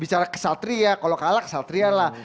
bicara kesatria kalau kalah kesatria lah